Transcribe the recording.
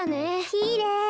きれい。